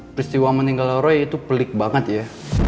peristiwa meninggal roy itu pelik banget ya